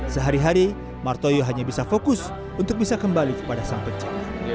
sehari hari martoyo hanya bisa fokus untuk bisa kembali kepada sang pencipta